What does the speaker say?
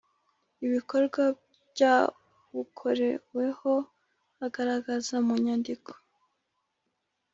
ibikorwa byabukoreweho agaragaza mu nyandiko